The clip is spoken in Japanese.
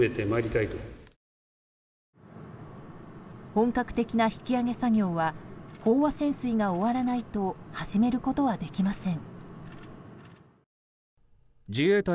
本格的な引き揚げ作業は飽和潜水が終わらないと始めることはできません。